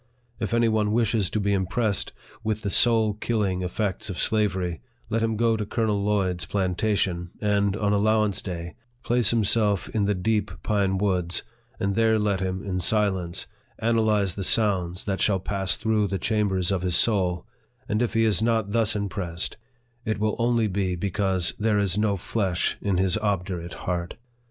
If any one wishes to be impressed with the soul killing effects of slavery, let him go to Colonel Lloyd's plantation, and, on allow ance day, place himself in the deep pine woods, and there let him, in silence, analyze the sounds that shall pass through the chambers of his soul, and if he is not thus impressed, it will only be because " there is no flesh in his obdurate heart."